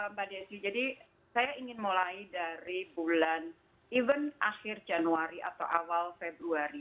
mbak desi jadi saya ingin mulai dari bulan even akhir januari atau awal februari